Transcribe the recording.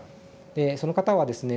その方はですね